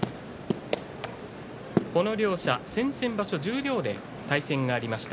この両者、先々場所十両で対戦がありました。